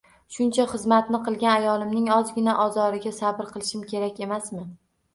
Shuncha xizmatni qilgan ayolimning ozgina ozoriga sabr qilishim kerak emasmi?